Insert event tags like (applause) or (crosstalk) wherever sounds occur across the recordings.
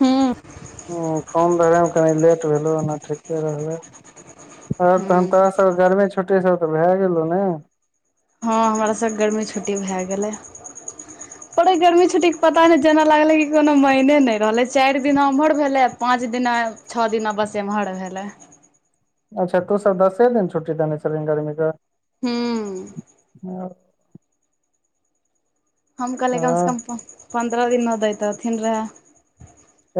हूँ ह कम रहयमे कनि लेट भेलहु ओना ठीके रहै आब तहन हूँ तोरा सब के गर्मी छुट्टी सब तऽ भए गेलो ने हँ हमरासब के गर्मी छुट्टी भए गेलै पर इ गर्मी छुट्टीेक पता नहि जेना लागलै कि कोनो महीने नहि रहलै चारि दिना एम्हर भेलै पाँच दिना छओ दिना बस एम्हर भेलै अच्छा तू सब दसे दिन छुट्टी देने छलही गर्मीे कऽ हूं (inaudible) हम कहलियै कम से ह कम पन्द्रह दिन न दैतऽथिन रहै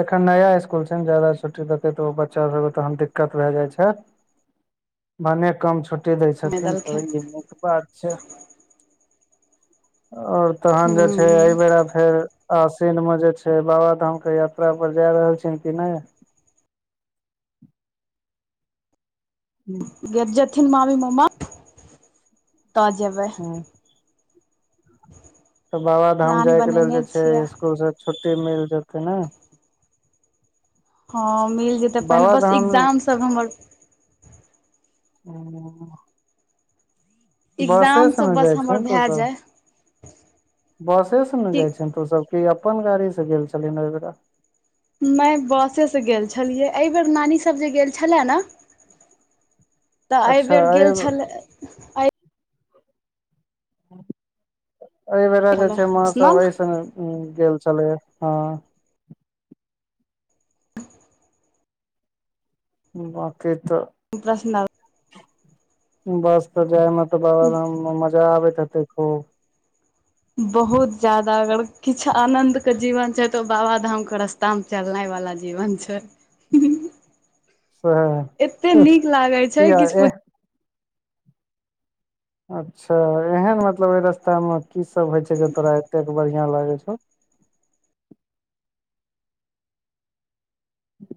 एखन नया स्कूल छै ने जा्यदा छुट्टी देते तऽ ओ बच्चा सब तहन दिक्कत भए जाय छै भने कम छुट्टी दै नहि छथिन तऽ देलखिन ई नीक बात छै आओर तहन जे छै हूँ एहिबेरा फेर आसिन में जे छै बाबा धाम के यात्रा पर जाय रहल छै कि नहि हूँ गे जेथिन मामी मामा तऽ जेबै हँ तऽ बाबाधाम प्लान जायके लेल बनेने जे छै छियै स्कुल से छुट्टी मिल जेतै ने हँ मिल जेतै पहिने बस बाबाधाम एग्जाम सब हमर हं बसे एग्जाम से सब ने बस जाइ हमर छिहीन तू भए सब जाय बसे से ने कि जाइ छिहीन तो सब कि अपन गाड़ीसँ गेल छलिन ओहि बेरा में बसे से गेल छलियै एहि बेर नानी सब जे गेल छले ने तऽ अच्छा एहिबेर एहि गेल छलै अय एहि बेेरा छलै जे छै माँ सब पर्सनल एहिस गेल छलै हँ बाँकी तऽ प्रश्नल बस तऽ जाय मे तऽ बाबाधाम मे मजा आबैत हेते खूब बहुत जदा अगर किछु आनंद के जीवन छै तो ओ बाबा धाम के रास्ता ताम चलनाय वाला जीवन छै स एते नीक लागे छै की ह किछु ए अच्छा एहन मतलब ओहि रास्तामे की सब होय छै जे तोरा एतेक बढ़िआँ लागै छौ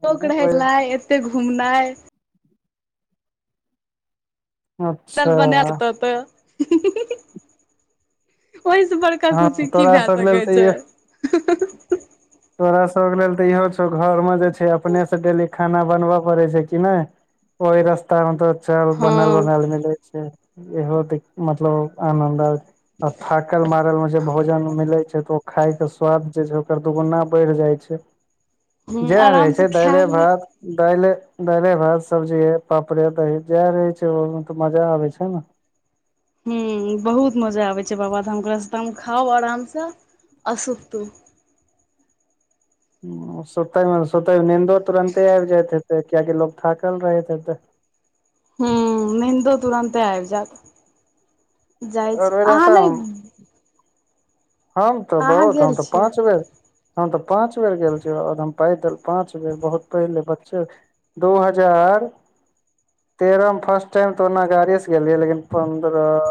शौक रहयके लायएते घुमनाइ अच्छा बना देत तऽ ओहिस बड़ तब हँ खुशी की तोरा भए सब लेल सकै तऽ ई छै तोरा सब के लेल तऽ इहो छौ घर में जे छै अपने से डेली खाना बनबय पड़े छै कि नहि ओहि रस्ता मे तो चल हँ बनल बनेल मिलै छै इहो देख मतलब आनन्द आइत आ थाकल मारल भोजन मिलै छै तऽ ओ खायके स्वाद जे छै ओकर दुगुना बढ़ि जाइ छै ह जे रहै छै आरामसँ खा दाले लिअ भात दाले दाले भात सब्जी पापड़े दही जएह रहै छै ओहिमे तऽ मजा आबै छै ने हूँ बहुत मजा आबै छै बाबाधाम के रास्तामे खाऊ आरामसँ आ सुतू सुतैमे सुतैमे नीन्दो तुरंते आबि जाइत हेतै कियाकि लोको थाकल रहैत हेतै हूं नीदो तुरंते आबि जायत जाइ छै आओर ओहि अहाँ रास्ता नय मे हम तऽ अहाँ बहुत हम गेल तऽ छियै पाँच बेर हम तऽ पाँच बेर गेल छिय आ हम पैदल पाँच बेर बहुत पहिले बच्चे दू हजार तेरह मे फर्स्ट टाइम तऽ ओना गाड़ि से गेलियै लेकिन पन्द्रह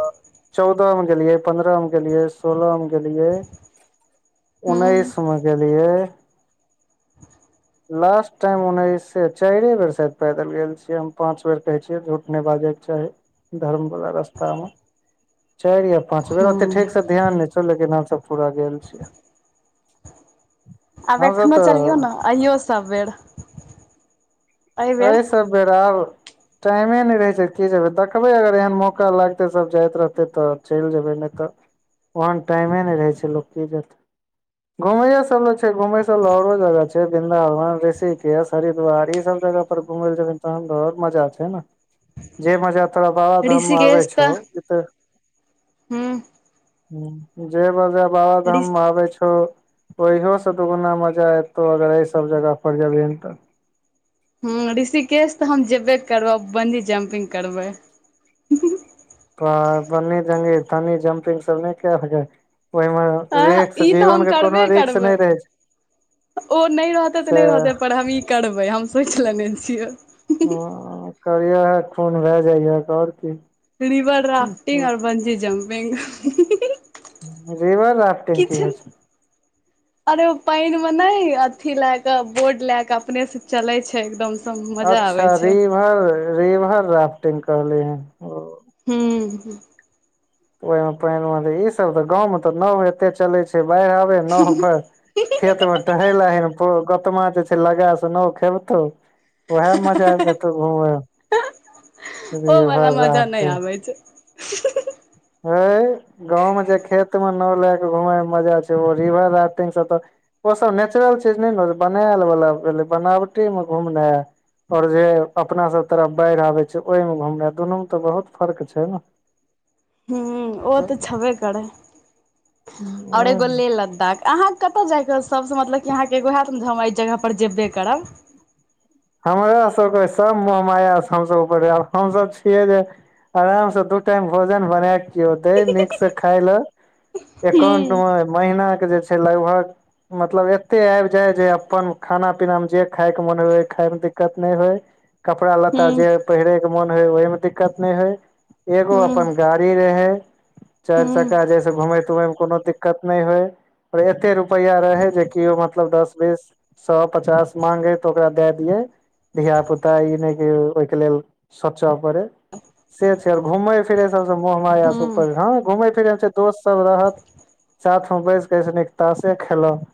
चौदह मे गेलिये पन्द्रह मे गेलिये सोलह मे गेलियै हूँ उन्नैस मे गेलियै लास्ट टाइम उन्नैस से चारिए बेर शायद पैदल गेल छियै हम पाँच बेर कहै छियै झूठ नहि बाजैके चाही धर्मवला रस्तामे चारि या पाँच बेर ओते हूँ ठीक से ध्यान नहि छौ लेकिन हमसब पूरा गेल छियै आब हमसब एखनोहु तऽ चलियौ ने अइयौ सभ बेर एहि सब बेर आउ टाइमे नहि रहै छै की जेबै देखबै अगर एहन मौका लगतै सब जाइत रहतै तऽ चलि जेबै नहि तऽ ओहन टाइमे नहि रहै छै लोक की जेतै घूमैयो सब ले छै घुमेय सब ले औरो जगह छै वृंन्दावन ऋषिकेश हरिद्वार ई सब जगह पर घुम ले जेबै तहन तऽ आओर मजा छै ने जे मजा बाबा धाममे आबै ऋषिकेश छौ तऽ तऽ हूँ ह जे बजह ऋ बाबाधाममे आबै छौ ओहो से दुगुना मजा एतौ अगर एहि सब जगह पर जेबही तऽ ह ऋषिकेश तऽ हम जेबे करबै बन्दी जम्पिंग करबै त बन्नी जी तन्नी जम्पिंग सब नहि कय ओहिमे आँ रिस्क ई तऽ हम जीवन के कोनो करबे रिस्क करबै नहि रहै छै ओ नहि रहतै तऽ से नहि रहतै पर हम ई करबै हम सोचि लेने छियै ह करिय ह खून भए जाइहक आओर की रिवर राफ्टिंग आर बंजी जम्पिंग रिवर राफ्टिंग की किछु होइ छै अरे ओ पानिमे ने अथी लय के बोट लय के अपने से चलै छै एकदम से मजा आबे अच्छा छै रिवर रिवर राफ्टिंग करले हैं हूंम्म ओहि मे पानि मे इऽ सब तऽ गाँव मे ते नाव एते चलै छै बाढ़ि आबे नऽ खेत मे टहेल आहिन गोतमा से लगा सुन खेबतौ उएह मे मजा आबि जेतौ घूमे रिवर राफ्टिंग एहि तऽ (unintelligible) हए गाँंव मे जे खेत मे नाव लए के घुमय मे मजा छै ओ रिवर राफ्टिंग से तऽ। ओ सब नेचुरल चीज नहि ने बनायल वाला भेलै बनावटी मे घुमना है और जे अपना सब तरफ बाढ़ि आबे छै ओहिमे घूमना दुनूमे तऽ बहुत फर्क छै ने हूँ ओ तऽ छेबे करै ओर वएह एगो ने लेह लद्दाख अहाँ कतऽ जायके सबसँ मतलब कि अहाँके एगो हयैत ने जे हम एहि जगह पर जेबे करब हमरा सबके सब मोहमाया से हमसभ ऊपर हमसभ छियै जे आराम से दू टाइम भोजन बना के केयो दै नीक से खाय ले हूँ एकाउंट मे महीना के जे छै लगभग मतलब एते आबि जाय जे ऽ अपन खाना पीना मे जे खाय के मन हो एऽ खाय मे दिक्कत नहि होय कपड़ा लत्ता हूँ जे पहिरे के मोन होय ओहि मे दिक्कत नहि होय एगो हूँ अपन गाड़ी रहै चारि चक्का हूँ जैस घुमेय तुमेय मे कोनो दिक्कत नहि होय एते रुपैआ रहे जे किओ मतलब दस बीस सए पचास मांगे तऽ ओकरा दए दे दऽ धिया पुता ई नहि कि ओहिके लेल सोचऽ परै से छै आर घुमै फिरै सबसँ मोह माया ऊपर हूँ हँ घूमै फिरै छै दोस्त सब रहत साथ मे बैसके ओहिसँ निक तासे खेलब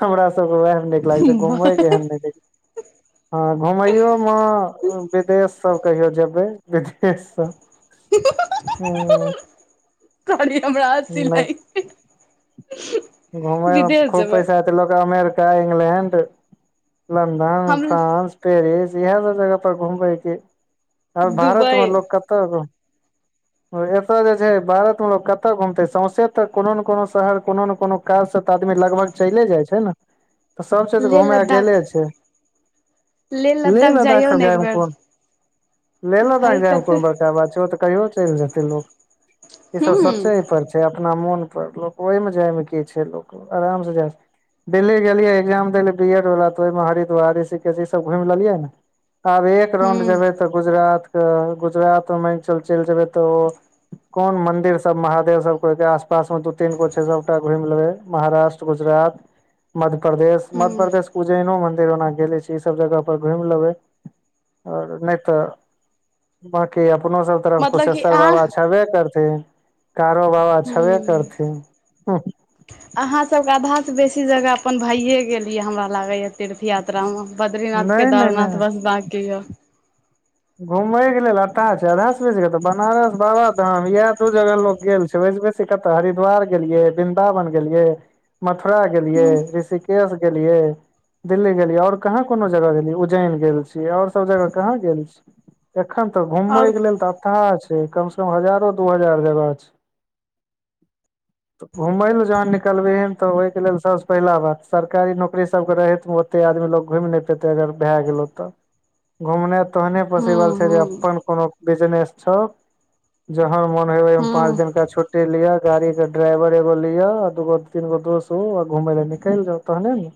हमरा सब के वएह नऽ लागै छै घुमै बस केहन नहि देख हँ घुमैओमे विदेशसभ कहियो जेबै विदेशसभ हूँ कहलिए हमरा हस्सी लागि गेल घुमय मे विदेश खूब जेबै पैसा हते लोक अमेरिका इंग्लैंड लन्दन हम फ्रांस पेरिस इहे सब जगह पर घुमबै कि आब भारत मे दुबई लोक कतऽ तऽ एतय जे छै भारत मे लोग कतय घुमते सौंसे तऽ कोनो ने कोनो शहर कोनो ने कोनो काज से तऽ आदमी लगभग चले जाइ छै ने तऽ सब चिज लेह घूमे लद्दाख गेले छै लेह लद्दाख जाइयौ सब ने एक जायमे बेर कोन लेह लद्दाख भाय जायमे कते कोन बड़का बात छै तऽ कहियो चलि जेतै लोक ई हूँ सब सोचे पर छै अपना मोन पर लोक ओहि मे जाय मे कीऽ छै लोक आराम से जाऽ दिल्ली गेलियै एग्जाम देले बी एड वला तऽ ओहिमे हरिद्वार ऋषिकेश ई सब घुमि लेलियै ने आब एक राउंड हूँ जेबै तऽ गुजरातके गुजरात मे चल चलि जेबै तऽ ओ कोन मंदिर सब महादेव सब को आसपास मे दू तीन गो छे सबटा घुमि लेबै महाराष्ट्र गुजरात मध्यप्रदेश हूँ मध्यप्रदेश उज्जैनो मन्दिर ओना गेले छी ई सब जगह पर घुमि लेबै आओर नहि तऽ बाँकी अपनो सब तरफ मतलब कि कुशेश्वर अहाँ बाबा छेबे करथिन कारो बाबा छेबे करथिन अहाँसभ आधासँ बेसी जगह अपन भइए गेलियै हमरा लागैए तीर्थ यात्रामे बद्रीनाथ नहि नहि केदारनाथ नहि बस बाँकी यऽ घुमय के लेल अथाह छै आधा से बेसी तऽ बनारस बाबाधाम इएह दू जगह लोग गेल छैै ओ से बैसि कत हरिद्वार गेलिये वृंन्दावन गेलियै मथुरा गेलियै हूँ ऋषिकेश केस गेलियै दिल्ली गेलियै और कहाँ कोनो जगह गेली उज्जैन गेल छीयै और सब जगह कहाँ गेल छी एखन तऽ घूमय आओर के लेल तऽ अथाह छै कम से कम हजारो दू हजार जगह छै (inaudible) त घुमय लए जहन निकलबै हन तऽ ओहिके लेल सभसँ पहिला बात सरकारी नौकरी सभके रहै ऐते आदमी लोग घुमि नहि पेते अगर भए गेलो तऽ घुमने तोहने हूँ पॉसिबल छै जे हूँ अपन कोनो बिजनेस छौ जहन मोन हे ओहि मे पाँच हूँ दिनका छुट टी लिअ गाड़ी के ड्राइवर एगो लिअ आ दगो तीन गो दोस्त घूमे ल निकल जो तहने ने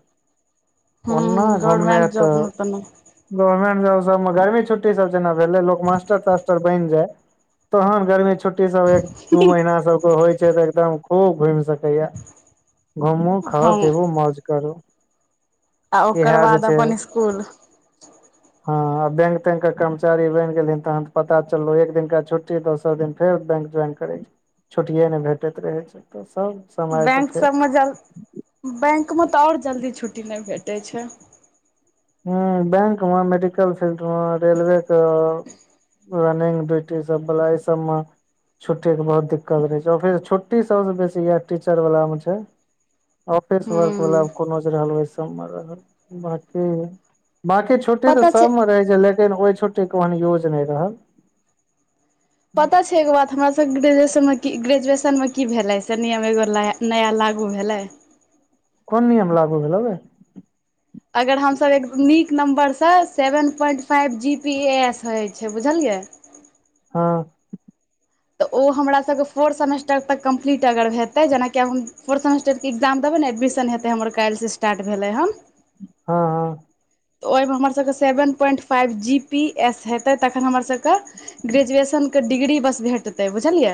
ओना हूँ घुमने गवर्मेंट त जॉब मे तऽ नहि गवर्नमेंट जॉब सब मे गर्मी छुट्टी छुट्टी सब जेना भेल मास्टर तास्टर बनि जाय तहन गर्मी छुट्टी है छुट्टी सब एक दू महीना सबके होइ छै तऽ एकदम खूब घुमि सकैया घुमू खाउ हँ पिबू मौज करू आ इह ओकर जे बाद छै अपन स्कूल हँ आब बैंक तैंक के कर्मचारी बनि गेलिन तहन त पता चलल एक दिना छुट्टी दोसर दिन फेर बैंक ज्वाइन करै छै छुट्टिये नहि भेटैत रहै छै तऽ सब समय के बैंक फेर सभमे जल बैंकमे तऽ आओर जल्दी छुट्टी नहि भेटैत छै हुं बेंक मेडिकल फीलड रेलवे क रनिंग ड्यूटी सब बला ई सबमे छुट्टी के बहु दिक्कत रह छै फेर छुट्टी सबस बेसी इह टीचर वालला में छै ऑफिस वर्क वला हूँ कोनो जे रहल ओहि सब मे रहल बांका बांकी छुट्टी तऽ पता छै सबमे रहै छै लेकिन ओहि छुट्टीे ओहन यूज नहि रहल पता छै एो बात हमरा सब के ग्रेजुएशन में की ग्रेजुएशन मे की भेल ह से नियम एगोला हे नया लागू भेलै कोन नियम लागू भेलौ गै अगर हमसभ एक नीक नम्बरसँ seven point five G P A S होइ छै बुझलियै हँ तऽ ओ हमरा सबके फोर्थ सेमेस्टर तक कम्प्लीट अगर हेतै जेनाकि आब हम फोर्थ सेमेस्टर एग्जाम देबै ने एडमिशन हेतै हमर काल्हि से स्टार्ट भेलै हँ हँ हं तऽ ओहिमे हमरसभके seven point five G P S हेतै तखन हमरसभके ग्रेजुएशनके डिग्री बस भेटतै बुझलियै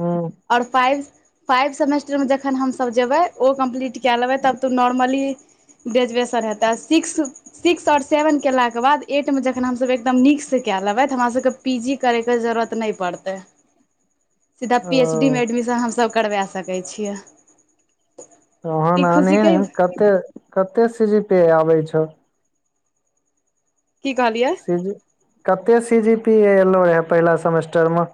हूं आओर फाइव फाइव सेमेस्टरमे जखन हमसभ जेबै ओ कम्प्लीट कए लेबै तब तऽ नॉर्मली ग्रेजुएशन हेतै आ सिक्स सिक्स आओर सेवन केलाके बाद एटमे जखन हमसभ एकदम नीकसँ कए लेब‌ए त हमरासके पी जी करैके जरूरत नहि पड़तै (inaudible) सीधा पीएच ओ डीमे एडमिशन हमसभ करवा सकै छियै ओहन ई अने खुशीके कते कते सी जी पे आबे छौ की कहलियऐै सी जी कते सी जी पी एलो रहै पहिला सेमेस्टर मे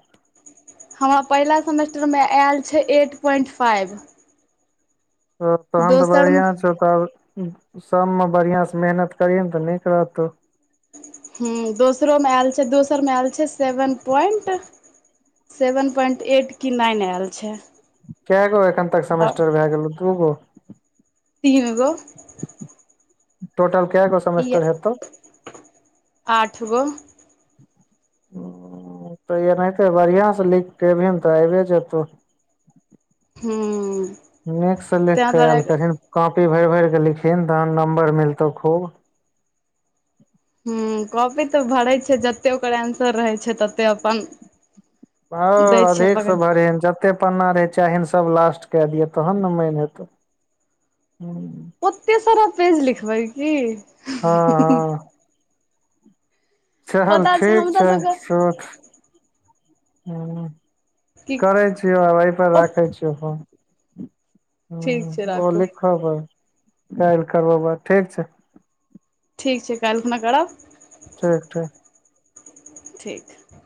हमरा पहिला सेमेस्टरमे आयल छै एट पॉइंट फाइव तहन तऽ दोसर बढ़िया छौ तब सबमे बढ़िया से मेहनत करिह ने तऽ नीक रहतौ हूं दोसरोमे आयल छै दोसरमे आयल छै seven point seven point eight की नाइन आयल छै कएगो एखन तक आओर सेमेस्टर भए गेल दूगो तीन गो टोटल के गो ई सेमेस्टर हेतौ आठगो (inaudible) तऽ एनाहिते बढ़िआं से लिख के एबही ने तऽ अऐबे जेतौ हूं नीकसँ लिख ताहि कऽ दुआरे आयल करहिने कॉपी भरि- भरि केे लिखहीं तहन नंबर मिलतौ खूब ह कॉपी तऽ भरै छै जते ओकर आन्सर रहै छै तते अपन ह दै छियै अधिक पकड़ से के। भरिहें ज ते पन्ना रहे चाहीन सब लास्ट क दिय तहन ने मैन हेतौ ह ओते सारा पेज लिखबै की हँ चल पता ठीक हमरा छै सबके सुत ह कि करै छै आब ऐ पर राखै छियौ फोन ठीक छै हँ ओ राखू लिख हँ हँ काइल करबो बात ठीक छै ठीक छै काल्हिखुना करब ठीक ठीक ठीक